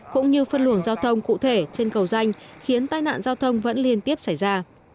cũng như phân luồng giao thông cụ thể trên cầu danh khiến tai nạn giao thông vẫn liên tiếp xảy ra